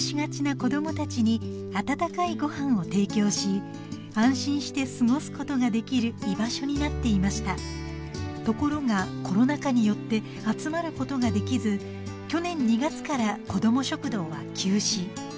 子どもたちに温かいごはんを提供し安心して過ごすことができる居場所になっていましたところがコロナ禍によって集まることができず去年２月から子ども食堂は中止